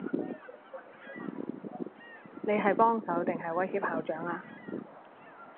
你係幫手，定係威脅校長啊？